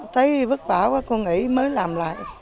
thấy vất vả quá cô nghỉ mới làm lại